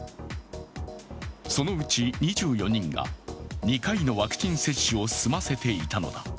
そのうち２４人が２回のワクチン接種を済ませていたのだ。